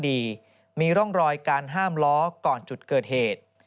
โดยการห้ามล้อก่อนจุดเกิดเหตุ